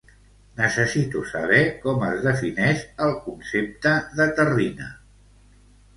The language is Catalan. Necessito saber com es defineix el concepte de terrina.